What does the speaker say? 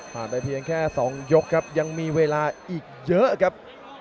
ไปเพียงแค่๒ยกครับยังมีเวลาอีกเยอะครับ